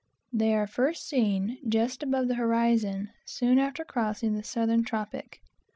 These are first seen, just above the horizon, soon after crossing the southern tropic.